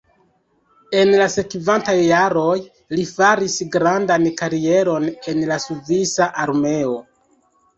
En la sekvantaj jaroj li faris grandan karieron en la Svisa Armeo.